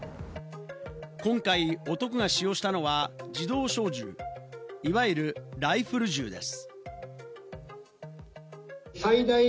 今回、男が使用したのは自動小銃、いわゆるライフル銃です。